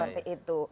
nah seperti itu